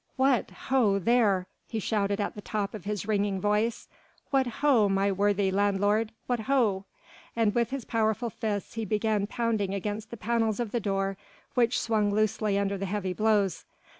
What ho there!" he shouted at the top of his ringing voice, "what ho my worthy landlord! What ho!" And with his powerful fists he began pounding against the panels of the door which swung loosely under the heavy blows.